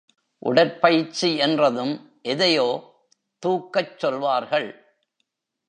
உடற்பயிற்சி என்றதும், எதையோ தூக்கச் சொல்வார்கள்.